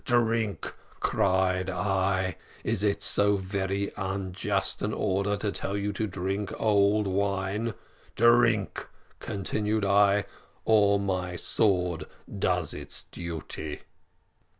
"`Drink,' cried I `is it so very unjust an order to tell you to drink old wine? Drink,' continued I, `or my sword does its duty.'